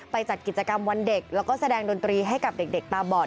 จัดกิจกรรมวันเด็กแล้วก็แสดงดนตรีให้กับเด็กตาบอด